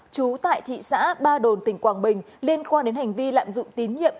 trú tại thị xã ba đồn tỉnh quảng bình liên quan đến hành vi lạm dụng tín nhiệm